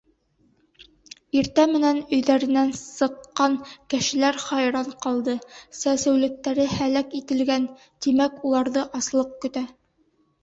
Иртә менән өйҙәренән сыҡҡан кешеләр хайран ҡалды: сәсеүлектәре һәләк ителгән, тимәк, уларҙы аслыҡ көтә.